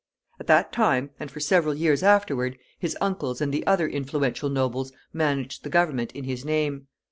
At that time, and for several years afterward, his uncles and the other influential nobles managed the government in his name.